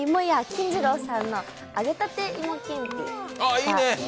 金次郎さんの揚げたて芋けんぴ。